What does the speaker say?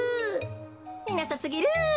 いなさすぎる。